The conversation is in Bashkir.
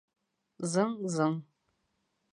Зың-зың...